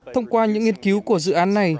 thông qua những nghiên cứu của dự án này